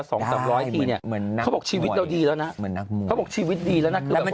๒๓ร้อยทีเนี่ยเขาบอกชีวิตดีแล้วนะเขาบอกชีวิตดีแล้วมัน